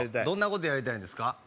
どんなことやりたいんですか？